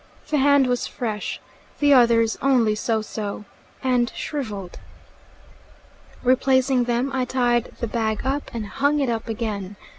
The hand was fresh, the others only so so, and shrivelled. Replacing them I tied the bag up, and hung it up again.